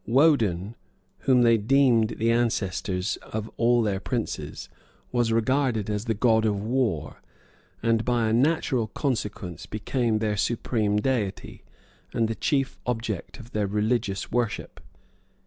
Woden, whom they deemed the ancestor of all their princes, was regarded as the god of war, and, by a natural consequence, became their supreme deity, and the chief object of their religious worship.